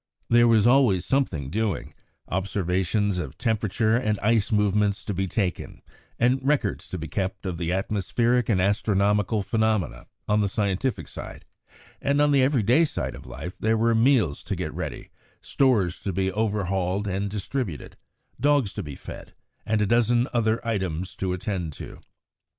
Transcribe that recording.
There was always something doing; observations of temperature and ice movements to be taken, and records to be kept of the atmospheric and astronomical phenomena, on the scientific side; and on the every day side of life, there were meals to get ready, stores to be overhauled and distributed, dogs to be fed, and a dozen other items to attend to.